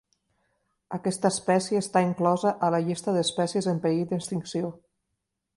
Aquesta espècie està inclosa a la llista d'espècies en perill d'extinció.